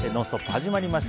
始まりました。